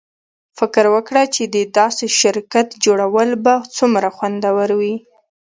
فکر وکړه چې د داسې شرکت جوړول به څومره خوندور وي